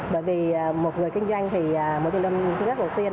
bởi vì một người kinh doanh thì một trong những kinh doanh đầu tiên